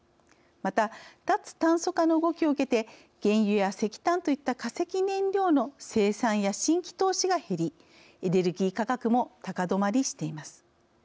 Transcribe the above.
また、脱炭素化の動きを受けて原油や石炭といった化石燃料の生産や新規投資が減りエネルギー価格も高どまりしています。